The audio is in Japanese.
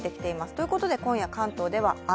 ということで今夜、関東では雨。